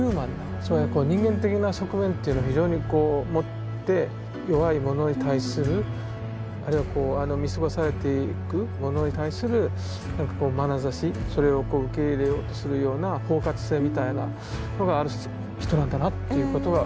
つまり人間的な側面というのを非常にこう持って弱いものに対するあるいはこう見過ごされていくものに対するなんかこうまなざしそれをこう受け入れようとするような包括性みたいなのがある人なんだなっていうことが僕にとって大きな発見でした。